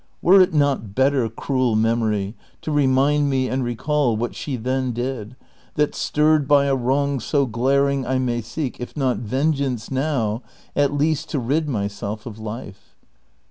Were it not better, cruel memory, to remind me and recall what she then did, that stirred by a wrong so glaring I may seek, if not vengeance now, at least to rid myself of life